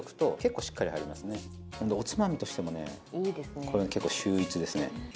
おつまみとしても、これは結構秀逸ですね。